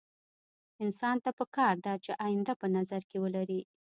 انسان ته پکار ده چې اينده په نظر کې ولري.